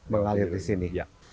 mengalir di sini